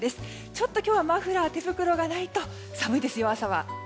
ちょっと今日はマフラー、手袋がないと寒いですよ、朝は。